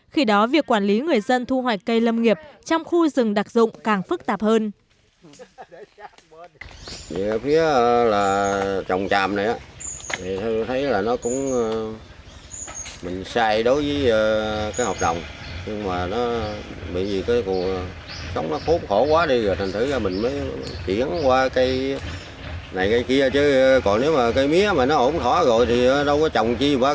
khi đó việc quản lý người dân thu hoạch cây lâm nghiệp trong khu rừng đặc dụng càng phức tạp hơn